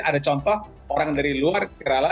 ada contoh orang dari luar kirala